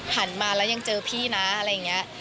หันมาแล้วยังเจอพี่นะอะไรอย่างนี้